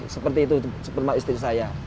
seperti itu supermark istri saya